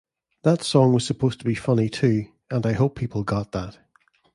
That song was supposed to be funny, too, and I hope people got that.